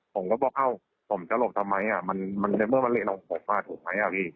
ผมก็บอกอ้าวผมจะหลบทำไมมันจะเมื่อมันเละน้องผมมาถูกไหมอ่ะพี่